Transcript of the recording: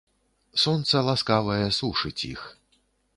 Сонца ласкавае сушыць іх.